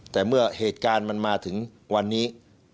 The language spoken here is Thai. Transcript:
แต่เมื่อเหตุการณ์มันมาถึงวันนี้